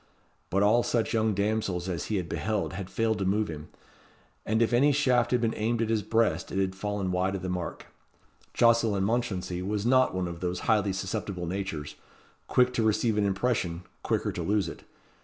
But all such young damsels as he had beheld had failed to move him; and if any shaft had been aimed at his breast it had fallen wide of the mark. Jocelyn Mounchensey was not one of those highly susceptible natures quick to receive an impression, quicker to lose it.